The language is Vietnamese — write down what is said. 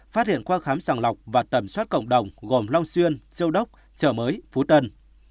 phát hiện qua khám sàng lọc và tầm soát cộng đồng gồm long xuyên châu đốc chợ mới phú tân